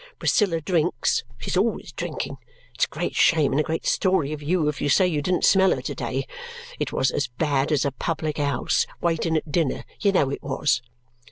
Priscilla drinks she's always drinking. It's a great shame and a great story of you if you say you didn't smell her to day. It was as bad as a public house, waiting at dinner; you know it was!"